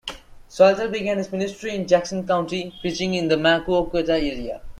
Salter began his ministry in Jackson County, preaching in the Maquoketa area.